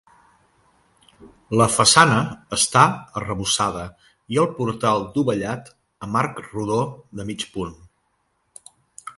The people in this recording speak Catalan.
La façana està arrebossada i el portal dovellat amb arc rodó de mig punt.